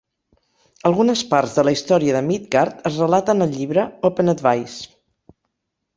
Algunes parts de la història de Midgard es relaten al llibre "Open Advice".